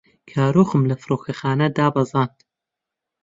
کارۆخم لە فڕۆکەخانە دابەزاند.